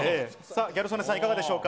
ギャル曽根さん、いかがでしょうか。